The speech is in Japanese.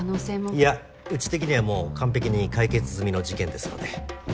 いやうち的にはもう完璧に解決済みの事件ですので。